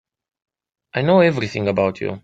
I know everything about you.